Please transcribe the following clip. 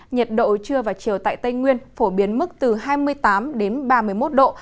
nhiệt độ trưa và chiều tại tây nguyên phổ biến mức từ hai mươi tám đến ba mươi một độ